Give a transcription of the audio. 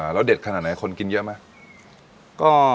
แล้วเด็ดขนาดไหนคนกินเยอะไหม